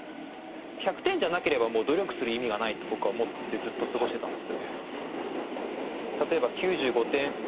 １００点じゃなければ努力する意味がないと思ってずっと過ごしていたんです。